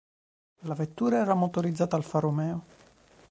La vettura era motorizzata Alfa Romeo.